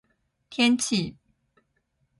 天气